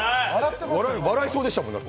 笑いそうでしたもん、だって。